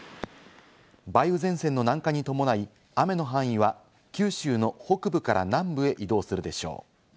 梅雨前線の南下に伴い、雨の範囲は九州の北部から南部へ移動するでしょう。